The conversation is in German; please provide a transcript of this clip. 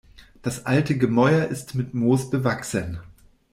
Das alte Gemäuer ist mit Moos bewachsen.